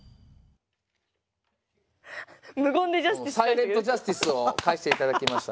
サイレントジャスティスを返していただきました。